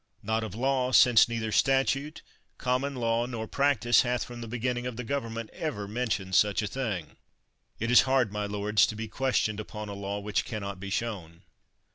Not of law, since neither statute, common law, nor practise hath from the beginning of the government ever men tioned such a thing. It is hard, my lords, to be questioned upon a law which can not be shown!